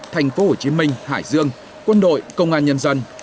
thành phố hồ chí minh hải dương quân đội công an nhân dân